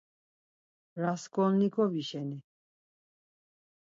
Rasǩolnikovi şeni.